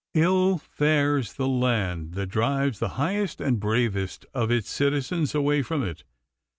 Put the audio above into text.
'Ill fares the land that drives the highest and bravest of its citizens away from it.